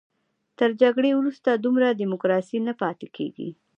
تر جګړې وروسته دومره ډیموکراسي نه پاتې کېږي.